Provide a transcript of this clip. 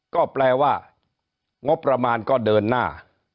ก็แปลว่างบประมาณก็เดินหน้า